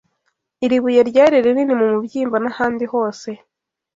Iri buye ryari rinini mu mubyimba nahandi hose